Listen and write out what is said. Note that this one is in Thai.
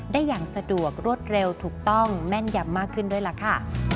ได้อย่างสะดวกรวดเร็วถูกต้องแม่นยำมากขึ้นด้วยล่ะค่ะ